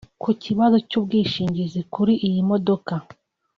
Ku kibazo cy’ubwishingizi kuri iyi modoka